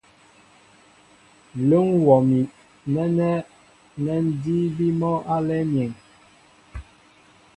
Ǹlə́ ḿ wɔ mi nɛ́nɛ́ nɛ́ ńdííbí mɔ́ álɛ́ɛ́ myēŋ.